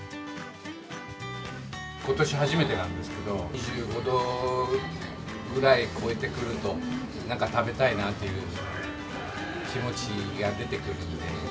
ことし初めてなんですけど、２５度ぐらい超えてくると、なんか食べたいなという気持ちが出てくるんで。